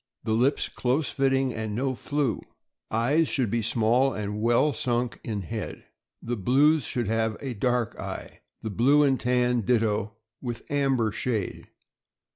The lips close fitting, and no flew. Eyes. — Should be small and well sunk in head. The blues should have a dark eye. The blue and tan ditto, with amber shade.